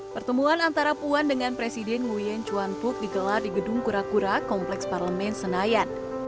pertemuan antara puan dengan presiden nguyen chuan puk digelar di gedung kura kura kompleks parlemen senayan